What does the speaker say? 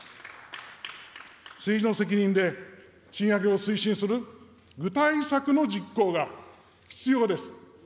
政治の責任で賃上げを推進する具体策の実行が必要です。